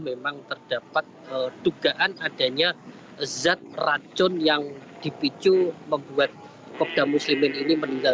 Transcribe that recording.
memang terdapat dugaan adanya zat racun yang dipicu membuat kopda muslimin ini meninggal